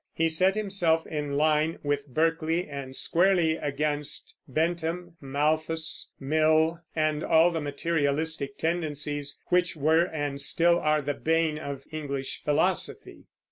He set himself in line with Berkeley, and squarely against Bentham, Malthus, Mill, and all the materialistic tendencies which were and still are the bane of English philosophy.